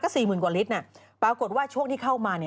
ก็๔๐๐๐๐กว่าลิตรปรากฏว่าช่วงที่เข้ามา